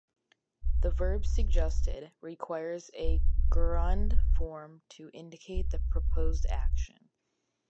The verb "suggested" requires a gerund form to indicate the proposed action.